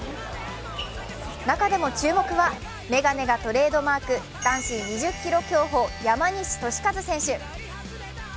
中でも注目は眼鏡がトレードマーク、男子２０ｋｍ競歩・山西利和選手。